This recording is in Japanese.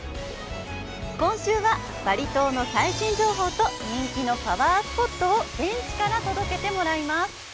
今週は、バリ島の最新情報と人気のパワースポットを現地から届けてもらいます！